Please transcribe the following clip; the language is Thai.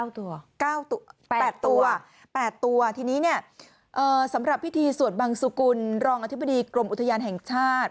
ตอนนี้สำหรับพิธีสวดบังสุกุลรองอธิบดีกรมอุทยานแห่งชาติ